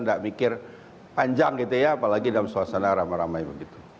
tidak mikir panjang gitu ya apalagi dalam suasana ramai ramai begitu